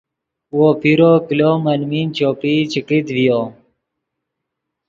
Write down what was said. وو پیرو کلو ملمین چوپئی چے کیت ڤیو